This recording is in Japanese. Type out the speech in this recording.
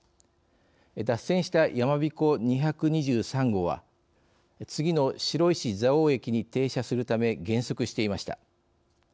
脱線した、やまびこ２２３号は次の白石蔵王駅に停車するため減速していました。